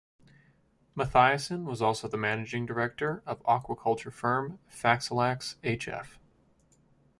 Mathiesen was also the managing director of the aquaculture firm Faxalax hf.